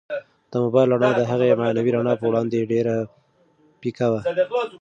د موبایل رڼا د هغې معنوي رڼا په وړاندې ډېره پیکه وه.